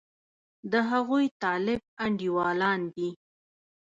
د هغوی طالب انډېوالان دي.